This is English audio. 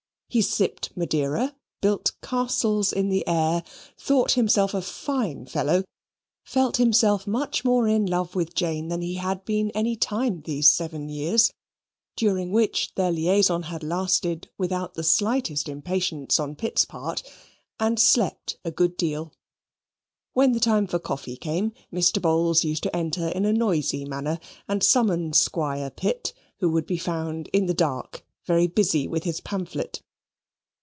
He sipped Madeira: built castles in the air: thought himself a fine fellow: felt himself much more in love with Jane than he had been any time these seven years, during which their liaison had lasted without the slightest impatience on Pitt's part and slept a good deal. When the time for coffee came, Mr. Bowls used to enter in a noisy manner, and summon Squire Pitt, who would be found in the dark very busy with his pamphlet.